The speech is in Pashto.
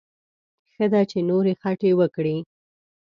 ښه ده چې نورې خټې وکړي.